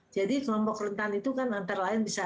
jadi kelompok rentan itu kan antara lain bisa ada